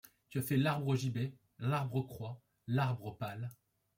Tu fais l’arbre gibet, l’arbre croix, l’arbre pal